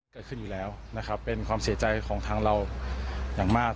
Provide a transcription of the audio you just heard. เกิดขึ้นอยู่แล้วนะครับเป็นความเสียใจของทางเราอย่างมาก